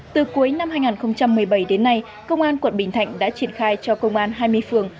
từ cuối năm hai nghìn một mươi bảy đến nay công an quận bình thạnh đã triển khai cho công an hai mươi phường